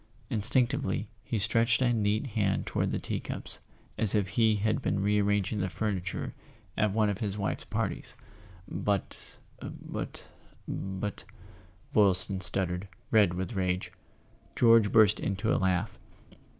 Instinctively, he stretched a neat hand toward the tea cups, as if he had been re¬ arranging the furniture at one of his wife's parties. "But—but—but " Boylston stuttered, red with rage. George burst into a laugh.